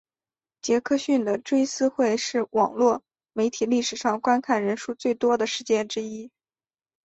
杰克逊的追思会是网路媒体历史上观看人数最多的事件之一。